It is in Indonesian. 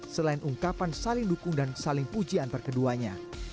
selain ungkapan saling dukung dan saling puji antar keduanya